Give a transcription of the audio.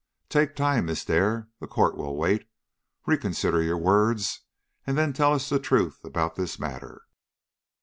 Take time, Miss Dare, the court will wait; reconsider your words, and then tell us the truth about this matter."